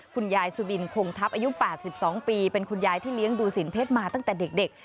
คุณยายสุบินคงทัพอายุ๘๒ปีเป็นคุณยายที่เลี้ยงดูสินเพชรมาตั้งแต่เด็ก